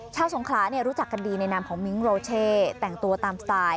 สงขลารู้จักกันดีในนามของมิ้งโรเช่แต่งตัวตามสไตล์